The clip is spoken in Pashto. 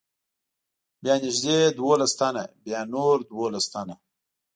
بیا نږدې دولس تنه، بیا نور دولس تنه.